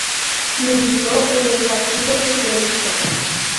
Militó en el Partido Socialista.